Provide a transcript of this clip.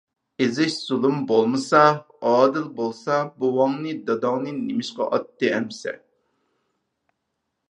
-ئېزىش، زۇلۇم بولمىسا، ئادىل بولسا، بوۋاڭنى، داداڭنى نېمىشقا ئاتتى ئەمىسە؟